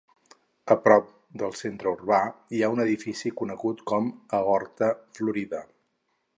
A prop del centre urbà hi ha un edifici conegut com a Horta Florida.